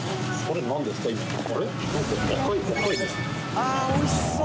あっおいしそう！